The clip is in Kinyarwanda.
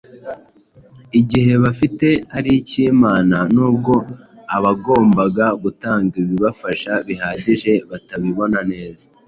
igihe bafite ari icy’Imana nubwo abagombaga gutanga ibibafasha bihagije batabibona neza